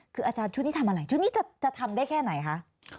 คืออาจารย์ชุดนี้ทำอะไรชุดนี้จะทำได้แค่ไหนคะ